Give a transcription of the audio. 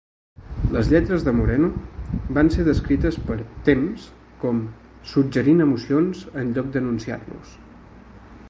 Les lletres de Moreno van ser descrites per "temps" com "suggerint emocions en lloc d'anunciar-los".